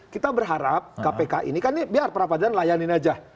kita berharap kpk ini biar perapradilan layanin aja